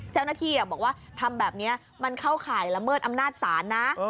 เจ้าหน้าที่บอกว่าทำแบบนี้มันเข้าข่ายละเมิดอำนาจศาลนะ